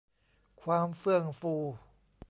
ความเฟื่องฟู